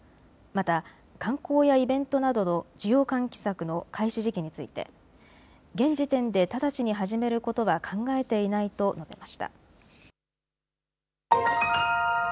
また観光やイベントなどの需要喚起策の開始時期について現時点で直ちに始めることは考えていないと述べました。